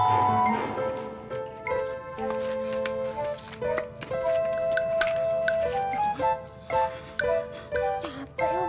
aduh aku peluk kakak cikganya nih